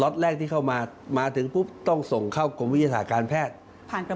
็ตแรกที่เข้ามามาถึงปุ๊บต้องส่งเข้ากรมวิทยาศาสตร์การแพทย์ผ่านไป